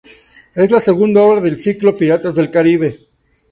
Es la segunda obra del ciclo del "Piratas del Caribe".